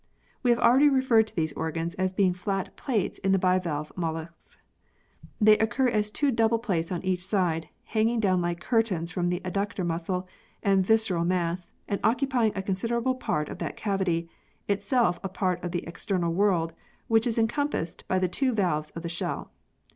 We have already referred to these organs as being flat plates in the bivalve molluscs. They occur as two double plates on each side, hanging down like curtains from the adductor muscle and visceral mass, and occupying a considerable part of that cavity (itself a part of the external world) which is encompassed by the two valves of the shell.